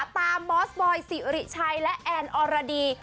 มอสบอยสิริชัยและแอนอรดี